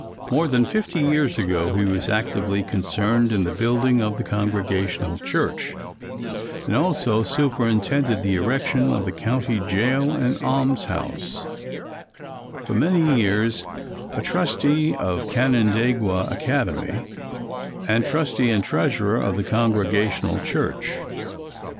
More than fifty years ago he was actively concerned in the building of the Congregational church, and also superintended the erection of the county jail and almshouse; for many years a trustee of Canandaigua Academy, and trustee and treasurer of the Congregational church.